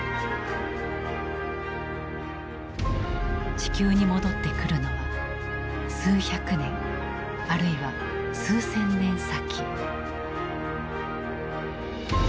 地球に戻ってくるのは数百年あるいは数千年先。